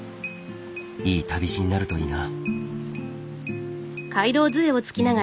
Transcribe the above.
いい旅路になるといいな。